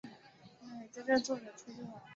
结束学校的做法被批评为过于专制。